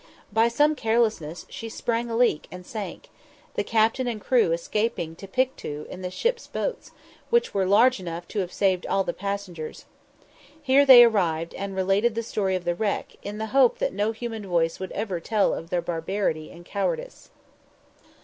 By some carelessness, she sprang a leak and sank; the captain and crew escaping to Pictou in the ship's boats, which were large enough to have saved all the passengers. Here they arrived, and related the story of the wreck, in the hope that no human voice would ever tell of their barbarity and cowardice.